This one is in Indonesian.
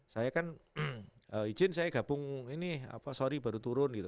saya kan izin saya gabung ini sorry baru turun gitu